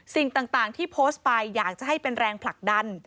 สิ่งต่างที่โพสต์ไปอยากจะให้เป็นแรงผลักดัน